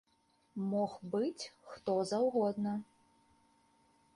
Мог быць хто заўгодна.